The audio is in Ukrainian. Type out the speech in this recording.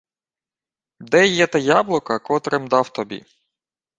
— Де є те яблуко, котре-м дав тобі?